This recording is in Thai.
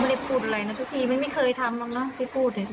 ไม่ได้พูดอะไรนะทุกทีไม่ไม่เคยทำแล้วนะพี่พูดเนี้ย